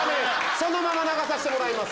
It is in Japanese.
そのまま流させてもらいます。